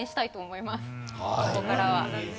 ここからは。